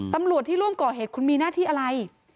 ตำรวจที่ร่วมก่อเหตุคุณมีหน้าที่อะไร